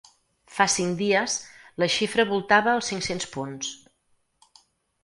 Fa cinc dies la xifra voltava els cinc-cents punts.